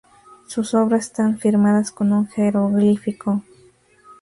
Sus obras están firmadas con un jeroglífico.